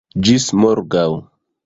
Ĝis morgaŭ!